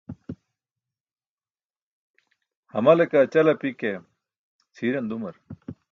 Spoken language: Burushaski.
Hamale kaa ćal api ke cʰiiran dumar.